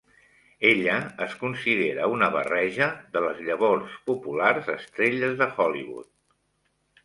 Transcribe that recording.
Ella es considera una barreja de les llavors populars estrelles de Hollywood.